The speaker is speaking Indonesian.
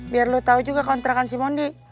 biar lo tau juga kontrakan si mondi